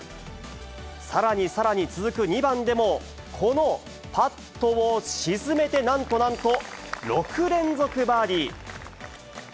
さらにさらに、続く２番でもこのパットを沈めて、なんとなんと６連続バーディー。